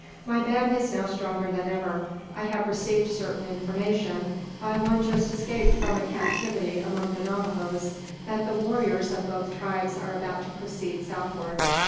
My band is now stronger than ever. I have received certain information, by one just escaped from a captivity among the Navajoes, that the warriors of both tribes are about to proceed southward.